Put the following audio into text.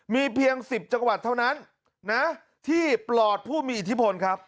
มีเพียง๑๐จังหวัดเท่านั้นนะที่ปลอดผู้มีอิทธิพลครับ